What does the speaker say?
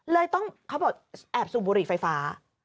เลยต้องเขาบอกแอบสูบบุหรี่ไฟฟ้า